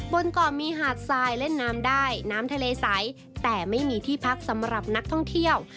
บนเกาะมีหาดทรายเล่นน้ำได้น้ำทะเลใสแต่ไม่มีที่พักสำหรับนักท่องเที่ยว